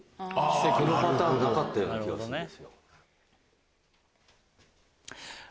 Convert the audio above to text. このパターンなかったような気がするんですよ。